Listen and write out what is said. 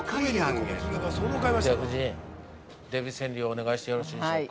では夫人、デヴィ川柳お願いしてよろしいでしょうか。